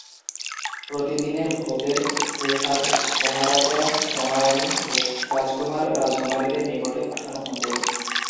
প্রতিদিনের ভোগের প্রসাদ মহারাজা-মহারানি ও রাজকুমার-রাজকুমারীদের নিকটে পাঠানো হত।